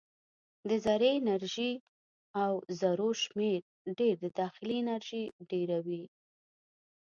د ذرې انرژي او ذرو شمیر ډېر د داخلي انرژي ډېروي.